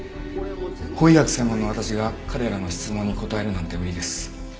法医学専門の私が彼らの質問に答えるなんて無理です。